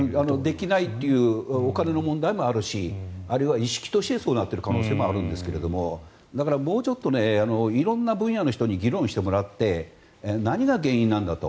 できないというお金の問題もあるしあるいは意識としてそうなっている可能性もあるんですけどだから、もうちょっと色んな分野の人に議論してもらって何が原因なんだと。